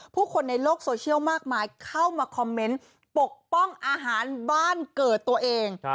คนในโลกโซเชียลมากมายเข้ามาคอมเมนต์ปกป้องอาหารบ้านเกิดตัวเอง